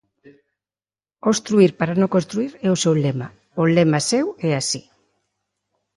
Obstruír para non construír é o seu lema, o lema seu é así.